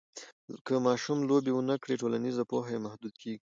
که ماشوم لوبې ونه کړي، ټولنیزه پوهه یې محدوده کېږي.